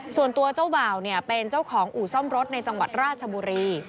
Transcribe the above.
ส่วนตัวเจ้าบ่าวเป็นเจ้าของอู่ซ่อมรถในจังหวัดราชบุรี